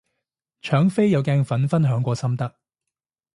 搶飛有鏡粉分享過心得